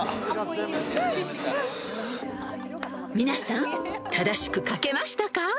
［皆さん正しく書けましたか］